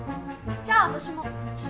じゃあ私も。